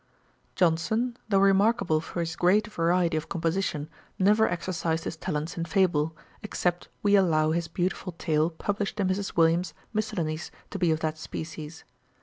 Johnson, though remarkable for his great variety of composition, never exercised his talents in fable, except we allow his beautiful tale published in Mrs. Williams's Miscellanies to be of that species.